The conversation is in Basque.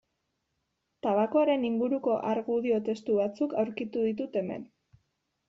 Tabakoaren inguruko argudio testu batzuk aurkitu ditut hemen.